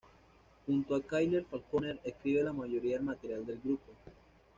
Junto a Kyle Falconer, escribe la mayoría del material del grupo.